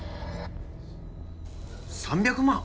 ３００万？